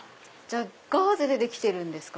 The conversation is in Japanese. ガーゼでできてるんですか？